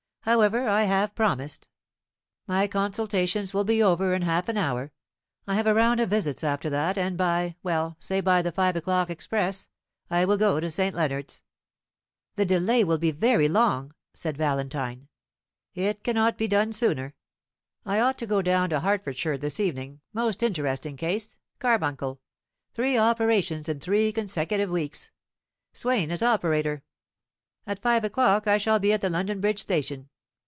However, I have promised. My consultations will be over in half an hour; I have a round of visits after that, and by well, say by the five o'clock express, I will go to St. Leonards." "The delay will be very long," said Valentine. "It cannot be done sooner. I ought to go down to Hertfordshire this evening most interesting case carbuncle three operations in three consecutive weeks Swain as operator. At five o'clock I shall be at the London Bridge station.